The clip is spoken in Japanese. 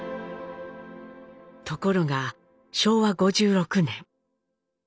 ところが昭和５６年。